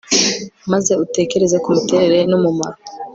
maze utekereze ku miterere n umumaro